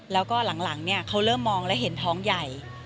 แล้วก็หลังเขาเริ่มมองแล้วเห็นท้องใหญ่